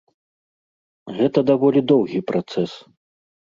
Гэта даволі доўгі працэс.